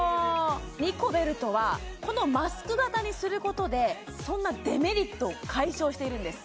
ニコベルトはこのマスク型にすることでそんなデメリットを解消しているんです